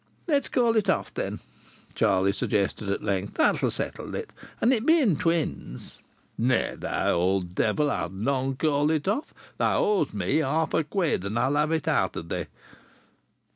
"Let's call it off, then," Charlie suggested at length. "That'll settle it. And it being twins " "Nay, thou old devil, I'll none call it off. Thou owes me half a quid, and I'll have it out of thee."